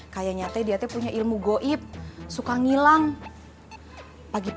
kayaknya tuh dia tuh ilmu goib suka ng philanthropis